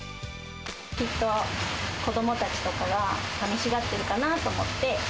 きっと子どもたちとかが寂しがってるかなと思って。